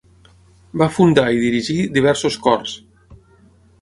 Va fundar i dirigir diversos cors.